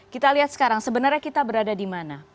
kita lihat sekarang sebenarnya kita berada di mana